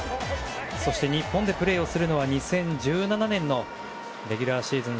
そして日本でプレーをするのは２０１７年のレギュラーシーズン